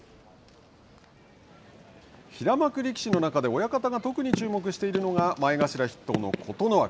平幕力士の中で親方が特に注目しているのが前頭筆頭の琴ノ若。